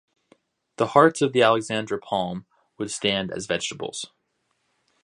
The hearts of the Alexandra palm would stand as vegetables.